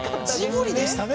◆ジブリでしたね。